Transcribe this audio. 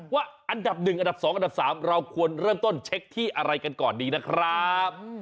ว่าอันดับ๑อันดับ๒อันดับ๓เราควรเริ่มต้นเช็คที่อะไรกันก่อนดีนะครับ